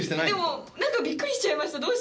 でも、なんかびっくりしちゃいました。